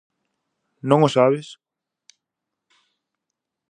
Non o sabes?